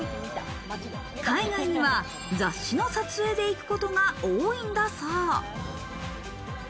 海外には雑誌の撮影で行くことが多いんだそう。